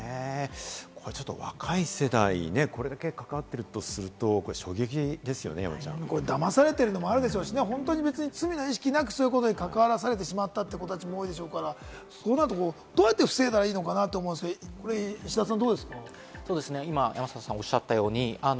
これ若い世代ね、これだけ関わっているとすると衝撃ですよね、山ちゃん。だまされているのもあるでしょうし、罪の意識なく、そういうことに関わらされてしまった子たちも多いでしょうから、どうやって防いだらいいのかなと思うんですけれど、石田さん